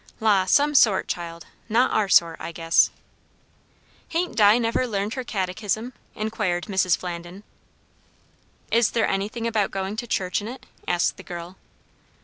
"La! some sort, child. Not our sort, I guess." "Hain't Di never learned her catechism?" inquired Mrs. Flandin. "Is there anything about going to church in it?" asked the girl.